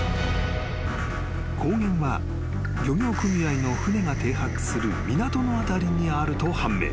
［光源は漁業組合の船が停泊する港の辺りにあると判明］